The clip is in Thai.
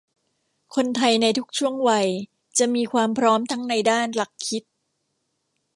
คนไทยในทุกช่วงวัยจะมีความพร้อมทั้งในด้านหลักคิด